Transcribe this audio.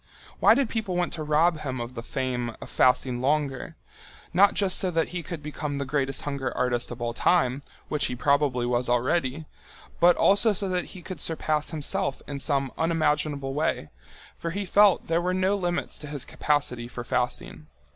Why did people want to rob him of the fame of fasting longer, not just so that he could become the greatest hunger artist of all time, which he probably was already, but also so that he could surpass himself in some unimaginable way, for he felt there were no limits to his capacity for fasting.